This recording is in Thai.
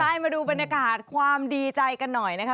ใช่มาดูบรรยากาศความดีใจกันหน่อยนะคะ